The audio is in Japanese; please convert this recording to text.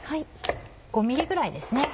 ５ｍｍぐらいですね。